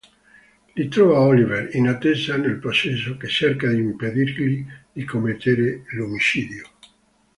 Lì trova Oliver, in attesa del processo, che cerca di impedirgli di commettere l'omicidio.